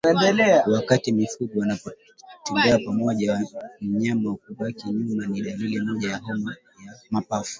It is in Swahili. Wakati mifugo wanapotembea pamoja mnyama kubaki nyuma ni dalili ya homa ya mapafu